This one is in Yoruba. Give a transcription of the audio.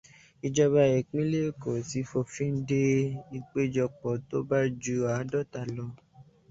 Ìjọba ìpínlẹ̀ Eko ti f'òfin de ìpéjọpọ̀ tó bá ju àádọ́ta lọ.